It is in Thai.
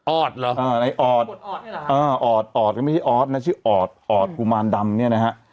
ในออดออดออดก็ไม่ใช่ออสนะชื่อออดออดกุมารดำเนี่ยนะฮะ